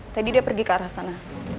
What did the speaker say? tadi dia pergi ke arah sana